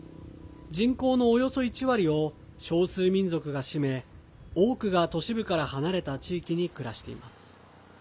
人口のおよそ１割を少数民族が占め多くが、都市部から離れた地域に暮らしています。